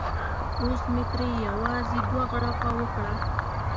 اوس مې ترې یوازې دوه غړپه وکړه.